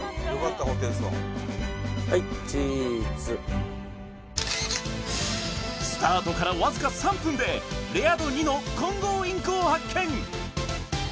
はいチーズスタートからわずか３分でレア度２のコンゴウインコを発見